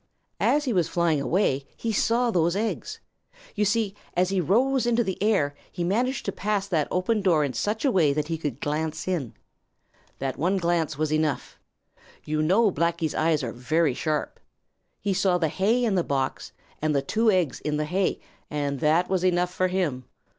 As he was flying away he saw those eggs. You see, as he rose into the air, he managed to pass that open door in such a way that he could glance in. That one glance was enough. You know Blacky's eyes are very sharp. He saw the hay in the box and the two eggs in the hay, and that was enough for him.